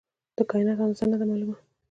د کائنات اندازه نه ده معلومه.